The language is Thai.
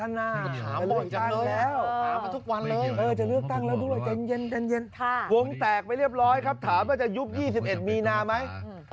วงแตกไปเรียบร้อยครับถามว่าจะยุบ๒๑มีนาไหม